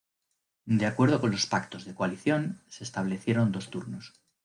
De acuerdo con los pactos de coalición, se establecieron dos turnos.